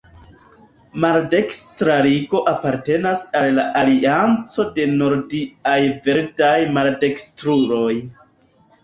Maldekstra Ligo apartenas al la Alianco de Nordiaj Verdaj Maldekstruloj.